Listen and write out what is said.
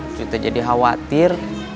terus kita jadi khawatir